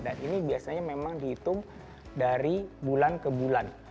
dan ini biasanya memang dihitung dari bulan ke bulan